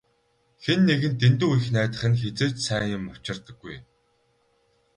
Хэн нэгэнд дэндүү их найдах нь хэзээ ч сайн юм авчирдаггүй.